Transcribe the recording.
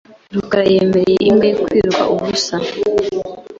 rukara yemereye imbwa ye kwiruka ubusa .